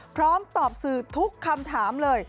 พร้อมตอบสื่อทุกคำถามเลย